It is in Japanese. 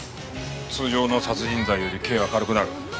通常の殺人罪より刑は軽くなる。